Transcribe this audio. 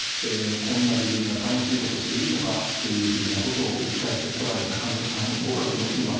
こんな自分が楽しいことしていいのかっていうふうなことを訴えてこられたご家族もいます